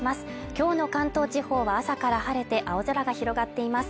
今日の関東地方は朝から晴れて青空が広がっています。